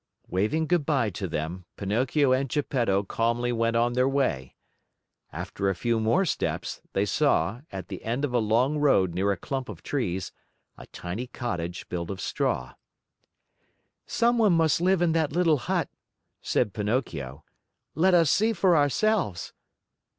'" Waving good by to them, Pinocchio and Geppetto calmly went on their way. After a few more steps, they saw, at the end of a long road near a clump of trees, a tiny cottage built of straw. "Someone must live in that little hut," said Pinocchio. "Let us see for ourselves."